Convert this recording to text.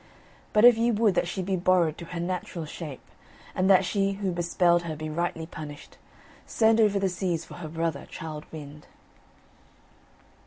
But if ye would that she be borrowed to her natural shape, and that she who bespelled her be rightly punished, send over the seas for her brother, Childe Wynd."